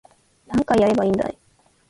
何回やればいいんだい